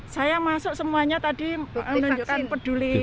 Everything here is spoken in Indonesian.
saya masuk semuanya tadi menunjukkan peduli